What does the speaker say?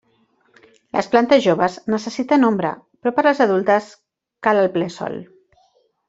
Les plantes joves necessiten ombra però per les adultes cal el ple sol.